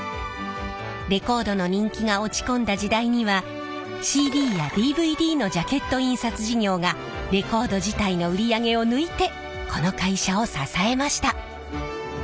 レコードの人気が落ち込んだ時代にはＣＤやＤＶＤのジャケット印刷事業がレコード自体の売り上げを抜いてこの会社を支えました。